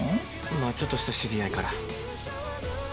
まあちょっとした知り合いから。